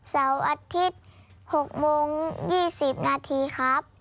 เสาร์อาทิตย์๖โมง๒๐นาทีครับ